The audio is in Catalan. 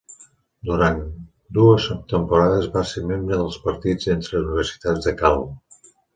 Durant dues temporades va ser membre dels partits entre universitats de Cal.